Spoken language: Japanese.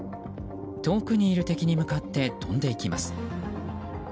遠くにいる敵に向かって飛んでいきます。